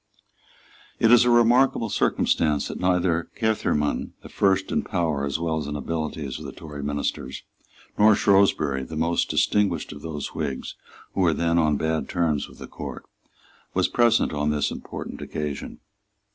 It is a remarkable circumstance that neither Caermarthen, the first in power as well as in abilities of the Tory ministers, nor Shrewsbury, the most distinguished of those Whigs who were then on bad terms with the Court, was present on this important occasion.